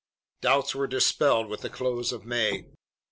Doubts were dispelled with the close of May.